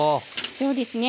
そうですねはい。